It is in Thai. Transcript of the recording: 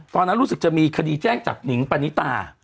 ตอนนั้นรู้สึกจะมีคดีแจ้งจับหนิงปณิตา